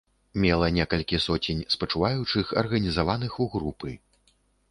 Мела некалькі соцень спачуваючых, арганізаваных у групы.